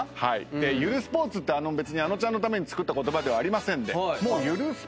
ゆるスポーツってあのちゃんのために作った言葉ではありませんで。